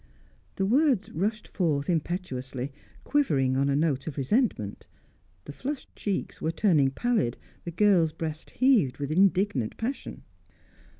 The words rushed forth impetuously, quivering on a note of resentment. The flushed cheeks were turning pallid; the girl's breast heaved with indignant passion.